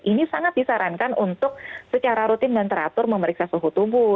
ini sangat disarankan untuk secara rutin dan teratur memeriksa suhu tubuh